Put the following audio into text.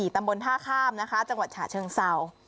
ตำบลท่าข้ามนะคะจังหวัดฉะเชิงเศร้า